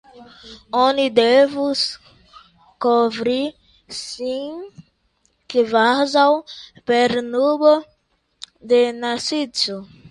Oni devus kovri sin kvazaŭ per nubo de nescio.